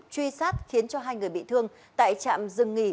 truy sát khiến cho hai người bị thương tại trạm dừng nghỉ